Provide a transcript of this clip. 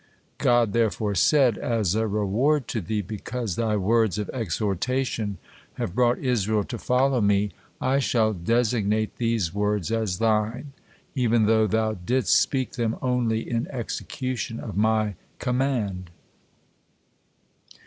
God therefore said, "As a reward to thee because thy words of exhortation have brought Israel to follow Me, I shall designate these words as thine, even though thou didst speak them only in execution of My command."